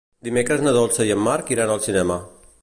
Dimecres na Dolça i en Marc iran al cinema.